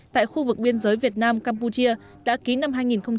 tại khu vực biên giới việt nam campuchia đã ký năm hai nghìn một